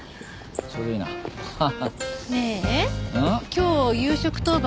今日夕食当番